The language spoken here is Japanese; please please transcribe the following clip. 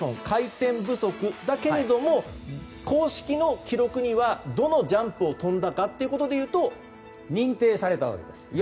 回転不足だけど、公式の記録にはどのジャンプを跳んだかというと認定されたわけです。